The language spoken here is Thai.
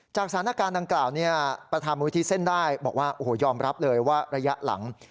จากสถานการณ์ดังกล่าวประธานมูลที่เส้นได้บอกว่าโอ้โหยอมรับเลยว่าระยะหลัง